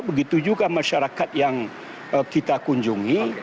begitu juga masyarakat yang kita kunjungi